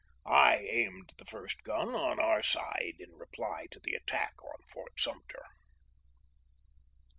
I aimed the first gun on our side in reply to the attack on Fort Sumter.